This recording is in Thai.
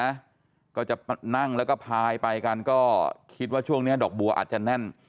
นะก็จะนั่งแล้วก็พายไปกันก็คิดว่าช่วงเนี้ยดอกบัวอาจจะแน่น